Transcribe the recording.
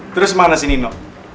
terus mana si nino